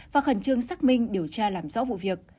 và khẩn trương xác minh điều tra làm rõ vụ việc